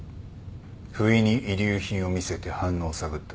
不意に遺留品を見せて反応を探った。